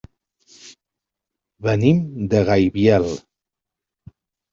Venim de Gaibiel.